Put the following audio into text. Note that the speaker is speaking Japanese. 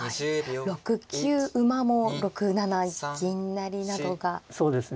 ６九馬も６七銀成などがありますか。